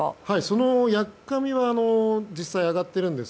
そのやっかみは実際、上がっているんです。